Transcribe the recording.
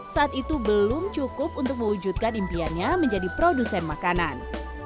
saat itu belum cukup untuk mewujudkan impiannya menjadi produsen makanan